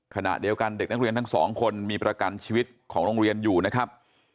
ขณะเดียวกันเด็กนักเรียนทั้งสองคนมีประกันชีวิตของโรงเรียนอยู่นะครับ